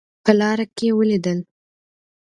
په لاره کې ولیدل.